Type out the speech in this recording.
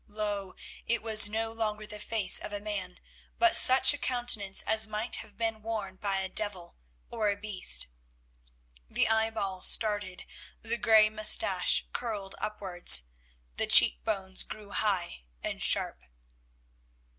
Lo! it was no longer the face of a man, but such a countenance as might have been worn by a devil or a beast. The eyeball started, the grey moustache curled upwards, the cheek bones grew high and sharp.